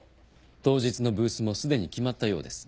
当日のブースもすでに決まったようです。